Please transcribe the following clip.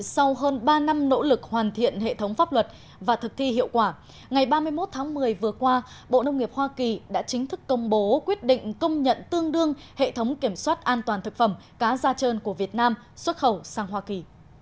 sau hơn ba năm nỗ lực hoàn thiện hệ thống pháp luật và thực thi hiệu quả ngày ba mươi một tháng một mươi vừa qua bộ nông nghiệp hoa kỳ đã chính thức công bố quyết định công nhận tương đương hệ thống kiểm soát an toàn thực phẩm cá da trơn của việt nam xuất khẩu sang hoa kỳ